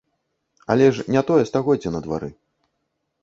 Але ж не тое стагоддзе на двары.